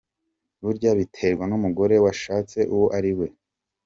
Burya biterwa n’umugore washatse uwo ariwe.